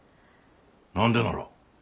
何でなら。